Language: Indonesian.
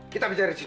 kita bicara disini